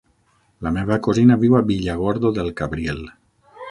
La meva cosina viu a Villargordo del Cabriel.